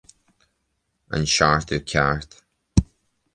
An seachtú ceacht